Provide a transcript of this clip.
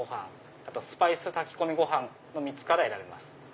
あとスパイス炊き込みご飯の３つから選べます。